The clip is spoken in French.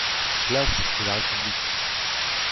Place de la République.